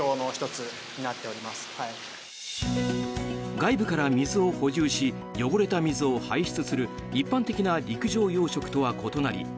外部から水を補充し汚れた水を排出する一般的な陸上養殖とは異なり